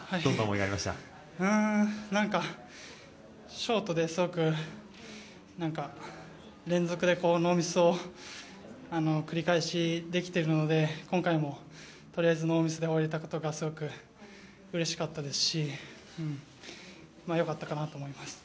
ショートで、すごく連続でノーミスを繰り返しできていたので今回もとりあえずノーミスで終われたことがすごくうれしかったですし良かったかなと思います。